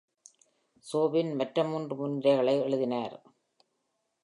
சோபின் மற்ற மூன்று முன்னுரைகளை எழுதினார்.